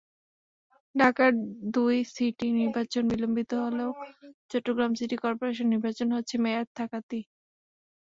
ঢাকার দুই সিটি নির্বাচন বিলম্বিত হলেও চট্টগ্রাম সিটি করপোরেশন নির্বাচন হচ্ছে মেয়াদ থাকতেই।